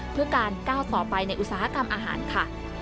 เพื่อการก้าวต่อไปในอุตสาหกรรมอาหารค่ะ